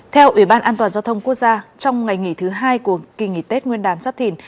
theo ủy ban an toàn giao thông quốc gia trong ngày nghỉ thứ hai của kỳ nghỉ tết nguyên đán giáp thìn